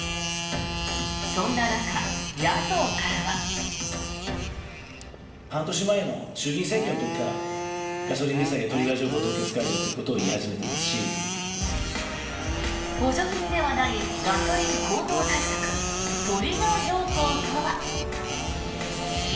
そんな中、野党からは。補助金ではないガソリン高騰対策トリガー条項とは。